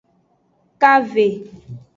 Kave.